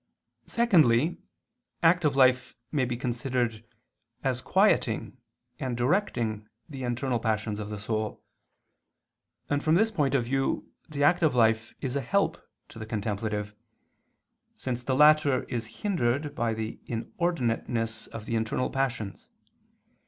Secondly, active life may be considered as quieting and directing the internal passions of the soul; and from this point of view the active life is a help to the contemplative, since the latter is hindered by the inordinateness of the internal passions.